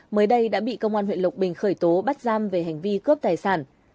mới đây đã bị công an huyện lộc bình khởi tố bắt giam về hành vi cướp tài sản